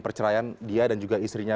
perceraian dia dan juga istrinya